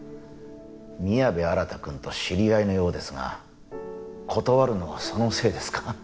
宮部新くんと知り合いのようですが断るのはそのせいですか？